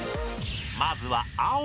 まずは青！